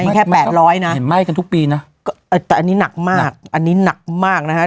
นี่แค่แปดร้อยนะเห็นไหม้กันทุกปีนะก็เออแต่อันนี้หนักมากอันนี้หนักมากนะฮะ